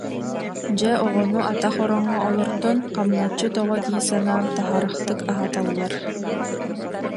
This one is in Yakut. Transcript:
Дьэ оҕону атах ороҥҥо олордон, хамначчыт оҕо дии санаан таһарахтык аһаталлар